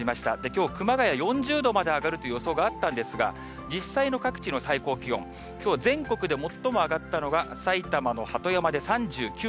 きょう、熊谷４０度まで上がるという予想があったんですが、実際の各地の最高気温、きょう、全国で最も上がったのが埼玉の鳩山で３９．９度。